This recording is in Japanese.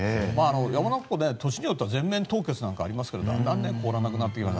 山中湖、年によっては全面凍結もありますがだんだん凍らなくなってきました。